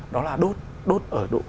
đó là đốt